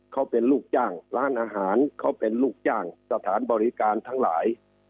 เขาเป็นลูกจ้างร้านอาหารเขาเป็นลูกจ้างสถานบริการทั้งหลาย